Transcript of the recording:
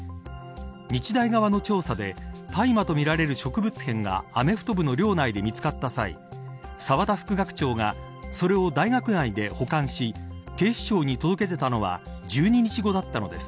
日大側の調査で大麻とみられる植物片がアメフト部の寮内で見つかった際澤田副学長がそれを大学内で保管し警視庁に届け出たのは１２日後だったのです。